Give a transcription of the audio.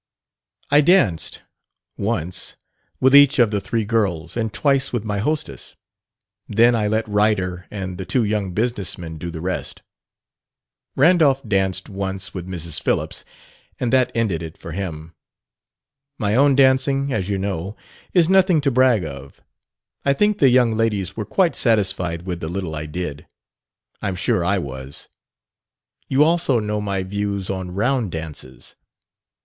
I danced once with each of the three girls, and twice with my hostess; then I let Ryder and the two young business men do the rest. Randolph danced once with Mrs. Phillips, and that ended it for him. My own dancing, as you know, is nothing to brag of: I think the young ladies were quite satisfied with the little I did. I'm sure I was. You also know my views on round dances.